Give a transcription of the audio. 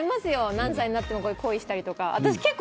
何歳になっても恋したりとか。